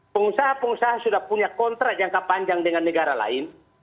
pengusaha pengusaha sudah punya kontrak jangka panjang dengan negara lain